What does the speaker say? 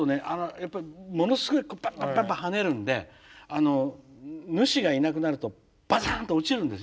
やっぱりものすごいバンバンバンバン跳ねるんで主がいなくなるとバタンと落ちるんです。